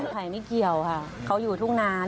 ไข่ไม่เกี่ยวค่ะเขาอยู่ทุ่งนาน